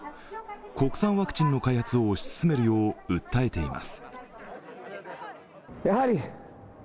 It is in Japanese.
国産ワクチンの開発を推し進めるよう訴えています。